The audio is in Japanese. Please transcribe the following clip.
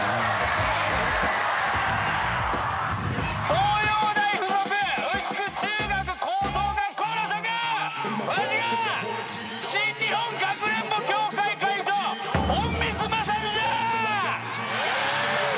東洋大附属牛久中学・高等学校の諸君わしが新日本かくれんぼ協会会長隠密マサルじゃ！